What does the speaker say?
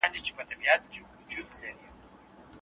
د څښاک پاکي اوبه د هري افغان کورنۍ لومړنۍ غوښتنه ده.